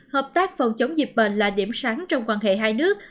hợp tác phòng chống dịch bệnh là điểm sáng trong quan hệ hai nước